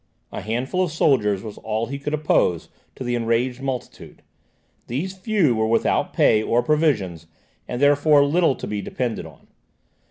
A handful of soldiers was all he could oppose to the enraged multitude; these few were without pay or provisions, and therefore little to be depended on.